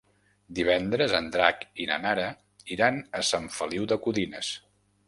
Divendres en Drac i na Nara iran a Sant Feliu de Codines.